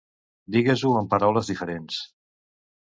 Digues-ho amb paraules diferents.